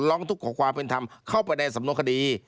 ร้องทุกข์ขอความเป็นธรรมเข้าไปในสำนวนคดี